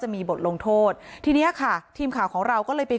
จริงนะก็จะมีบทลงโทษที่เนี่ยค่ะทีมข่าวของเราก็เลยไป